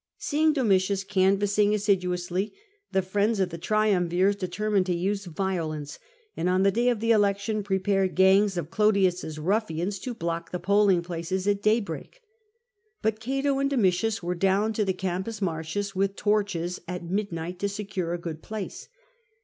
Seeing Domitius canvassing assiduously, the friends of the triumvirs determined to use violence, and on the day of the election prepared gangs of Clodius's ruflSans to block the polling places at daybreak. But Cato and Domitius went down to the Campus Martins with torches at midnight to secure a good place.